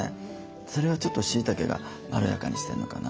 それはちょっとしいたけがまろやかにしてるのかな？